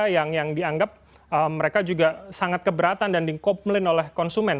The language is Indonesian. yang dianggap mereka juga sangat keberatan dan dikomplain oleh konsumen